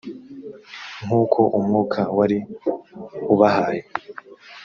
nk uko umwuka wari ubahaye